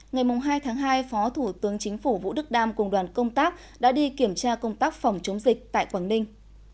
ngày hai tháng hai phó thủ tướng chính phủ vũ đức đam cùng đoàn công tác đã đi kiểm tra công tác phòng chống dịch tại quảng ninh